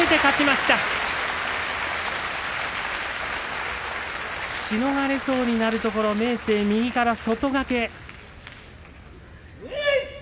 しのがれそうになるところ明生、右から外掛け。